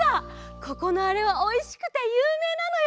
ここのあれはおいしくてゆうめいなのよ。